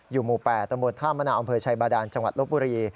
หมู่๘ตำบลท่ามะนาวอำเภอชัยบาดานจังหวัดลบบุรี